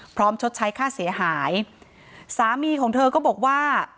ชดใช้ค่าเสียหายสามีของเธอก็บอกว่า